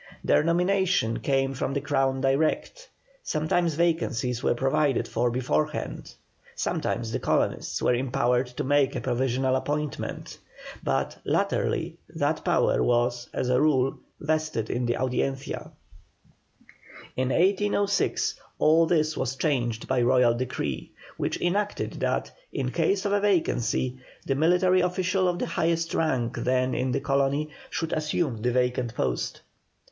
Their nomination came from the Crown direct; sometimes vacancies were provided for beforehand, sometimes the colonists were empowered to make a provisional appointment; but, latterly, that power was, as a rule, vested in the Audiencia. In 1806 all this was changed by Royal decree, which enacted that, in case of a vacancy, the military official of the highest rank then in the colony should assume the vacant post.